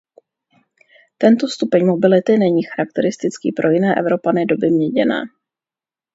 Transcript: Tento stupeň mobility není charakteristický pro jiné Evropany doby měděné.